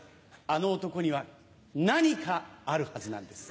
あの男には何かあるはずなんです。